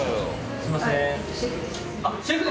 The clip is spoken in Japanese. すみません